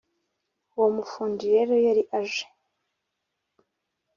Uwo mufundi rero yari aje